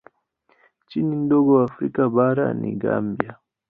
Nchi ndogo Afrika bara ni Gambia.